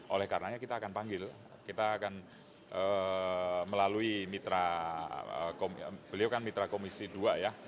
oleh karenanya kita akan panggil kita akan melalui mitra beliau kan mitra komisi dua ya